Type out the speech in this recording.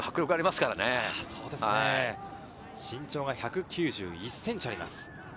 身長が１９１ｃｍあります。